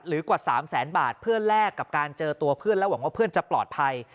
กว่า๓แสนบาทเพื่อแลกกับการเจอตัวเพื่อนและหวังว่าเพื่อนจะปลอดภัย